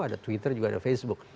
ada twitter juga ada facebook